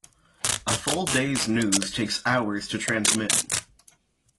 A full day's news takes hours to transmit.